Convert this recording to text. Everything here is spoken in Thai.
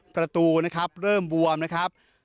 ประตูนะครับเริ่มบวมนะครับ